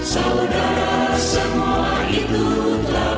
saudara semua itu telah